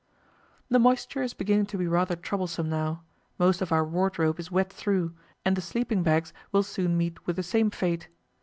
The moisture is beginning to be rather troublesome now; most of our wardrobe is wet through, and the sleeping bags will soon meet with the same fate.